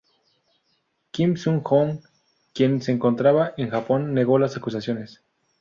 Kim Sung-hoon, quien se encontraba en Japón, negó las acusaciones.